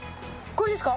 これですか？